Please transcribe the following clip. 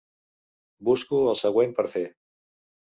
Busco el següent per fer.